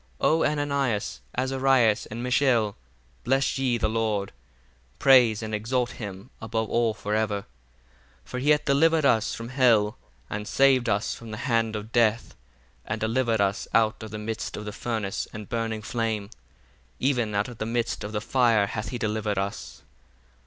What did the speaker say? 66 O Ananias, Azarias, and Misael, bless ye the Lord: praise and exalt him above all for ever: for he hath delivered us from hell, and saved us from the hand of death, and delivered us out of the midst of the furnace and burning flame: even out of the midst of the fire hath he delivered us.